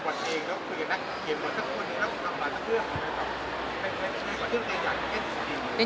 เป็นเรื่องที่เราอยากเช็คจริง